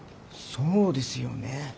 そうですよね。